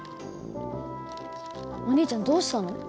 お兄ちゃんどうしたの？